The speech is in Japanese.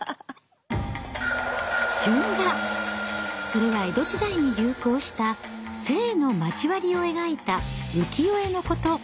それは江戸時代に流行した性の交わりを描いた浮世絵のこと。